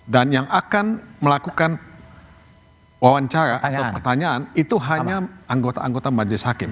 dan yang akan melakukan wawancara atau pertanyaan itu hanya anggota anggota majelis hakim